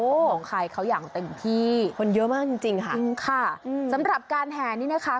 ของใครเขาอย่างเต็มที่คนเยอะมากจริงจริงค่ะจริงค่ะอืมสำหรับการแห่นี่นะคะ